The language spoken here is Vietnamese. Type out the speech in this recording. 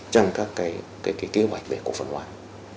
trong các kế hoạch về quản lý